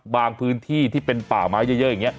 พื้นที่ที่เป็นป่าไม้เยอะอย่างนี้